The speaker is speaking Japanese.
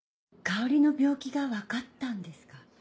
香織の病気が分かったんですか？